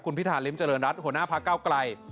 คุณพิธาลิ้มเจริญรัฐหัวหน้าภาคก้าวไกล